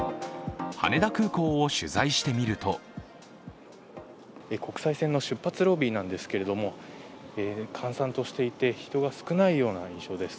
羽田空港を取材してみると国際線の出発ロビーなんですけれども閑散としていて、人は少ないような印象です。